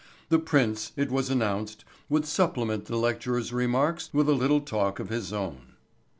The prince, it was announced, would supplement the lecturer's remarks with a little talk of his own.